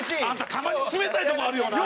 たまに冷たいとこあるよな。